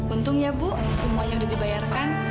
untungnya bu semuanya sudah dibayarkan